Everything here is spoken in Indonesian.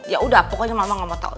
ya udah pokoknya mama gak mau tau